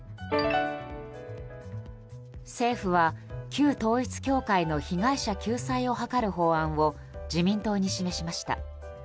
政府は旧統一教会の被害者救済を図る法案を自民党に示しました。